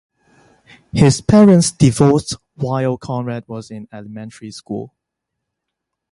His parents divorced while Conrad was in elementary school.